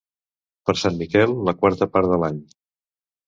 Per Sant Miquel, la quarta part de l'any.